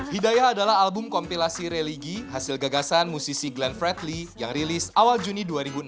hidayah adalah album kompilasi religi hasil gagasan musisi glenn fredly yang rilis awal juni dua ribu enam belas